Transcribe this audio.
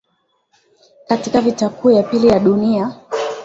katika Vita Kuu ya Pili ya Dunia